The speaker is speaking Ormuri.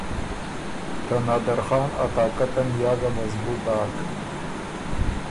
ته نادرخان ا طاقت ان یا ګۀ مضبُوط داک۔